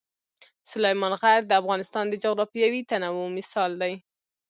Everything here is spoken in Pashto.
سلیمان غر د افغانستان د جغرافیوي تنوع مثال دی.